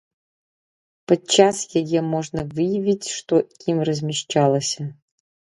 Падчас яе можна выявіць, што і кім размяшчалася.